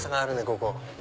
ここ。